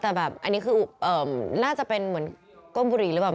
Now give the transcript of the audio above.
แต่แบบอันนี้คือน่าจะเป็นเหมือนก้มบุหรี่หรือเปล่า